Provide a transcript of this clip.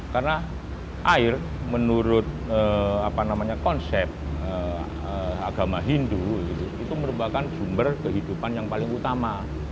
karena air menurut konsep agama hindu itu merupakan sumber kehidupan yang paling utama